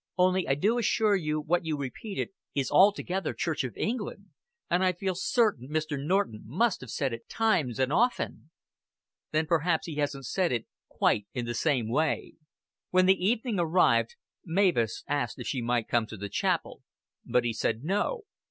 Only I do assure you what you repeated is altogether Church of England; and I feel certain Mr. Norton must have said it times and often." "Then perhaps he hasn't said it quite in the same way." When the evening arrived Mavis asked if she might come to the chapel, but he said "No."